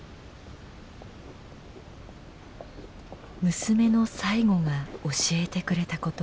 娘の最期が教えてくれたこと。